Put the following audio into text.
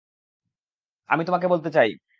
আমি তোমাকে বলতে চাই।